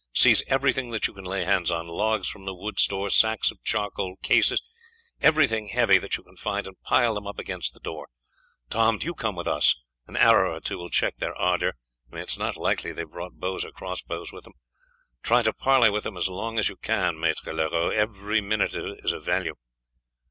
Seize everything that you can lay hands on, logs from the wood store, sacks of charcoal, cases, everything heavy that you can find, and pile them up against the door. Tom, do you come with us; an arrow or two will check their ardour, and it is not likely they have brought bows or cross bows with them. Try to parley with them as long as you can, Maître Leroux, every minute is of value."